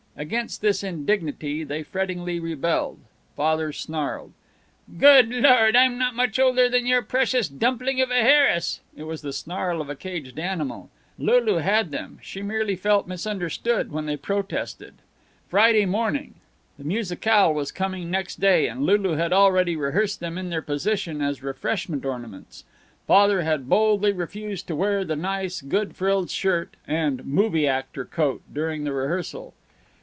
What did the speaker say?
Against this indignity they frettingly rebelled. Father snarled, "Good Lord! I'm not much older than your precious dumpling of a Harris." It was the snarl of a caged animal. Lulu had them; she merely felt misunderstood when they protested. Friday morning. The musicale was coming next day, and Lulu had already rehearsed them in their position as refreshment ornaments. Father had boldly refused to wear the nice, good frilled shirt and "movie actor coat" during the rehearsal.